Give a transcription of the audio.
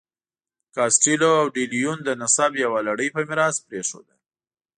کاسټیلو او ډي لیون د نسب یوه لړۍ په میراث پرېښوده.